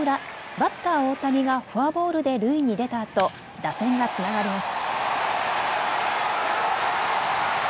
バッター大谷がフォアボールで塁に出たあと打線がつながります。